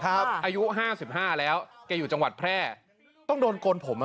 อายุ๕๕แล้วเขาอยู่จังหวัดแพร่ต้องโดนโกนผมอะ